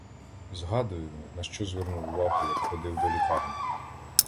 Згадую, на що звернув увагу, як ходив до лікарні.